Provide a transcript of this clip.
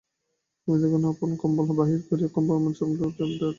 গোবিন্দমাণিক্য আপনার কম্বল বাহির করিয়া কম্পমান বালকের চারি দিকে জড়াইয়া দিলেন।